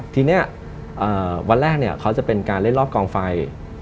ทีนี้วันแรกเขาจะเป็นการเล่นรอบกองไฟ